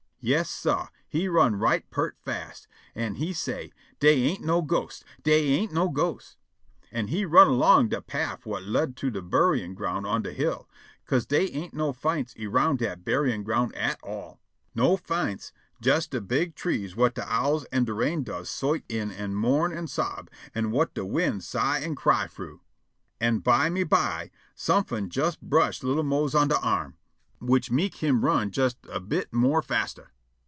Yas, sah, he run' right peart fast. An' he say': "Dey ain't no ghosts. Dey ain't no ghosts." An' he run' erlong de paff whut lead' by de buryin' ground on de hill, 'ca'se dey ain't no fince eround dat buryin' ground at all. No fince; jes' de big trees whut de owls an' de rain doves sot in an' mourn an' sob, an' whut de wind sigh an' cry frough. An byme by somefin' jes' brush' li'l' Mose on de arm, which mek' him run jes a bit more faster.